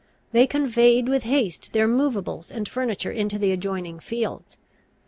They conveyed with haste their moveables and furniture into the adjoining fields.